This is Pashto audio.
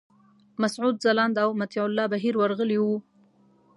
مسعود ځلاند او مطیع الله بهیر ورغلي وو.